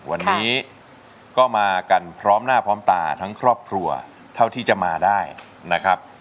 วันนี้ก็มากันพร้อมหน้าพร้อมตาทั้งครอบครัวเท่าที่จะมาได้นะครับ